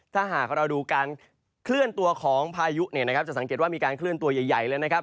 ถ้าหากเราดูการเคลื่อนตัวของพายุเนี่ยนะครับจะสังเกตว่ามีการเคลื่อนตัวใหญ่เลยนะครับ